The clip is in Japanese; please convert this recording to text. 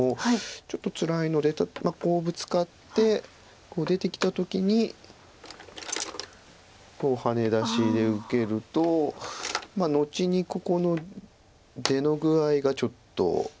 ちょっとつらいのでブツカって出てきた時にハネ出しで受けると後にここの出の具合がちょっと。